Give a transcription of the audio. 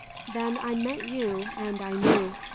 Then I met you, and I knew.